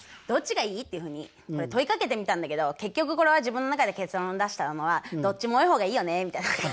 どっちがいい？っていうふうにこれ問いかけてみたんだけど結局これは自分の中で結論出したのはどっちも多い方がいいよねみたいな。